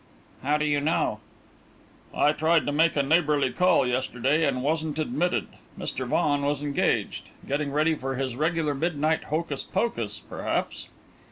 "How do you know?" "I tried to make a neighbourly call yesterday, and wasn't admitted. Mr. Vaughan was engaged. Getting ready for his regular midnight hocus pocus, perhaps!"